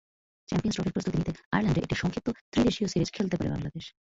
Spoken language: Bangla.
চ্যাম্পিয়নস ট্রফির প্রস্তুতি নিতে আয়ারল্যান্ডে একটি সংক্ষিপ্ত ত্রিদেশীয় সিরিজ খেলতে পারে বাংলাদেশ।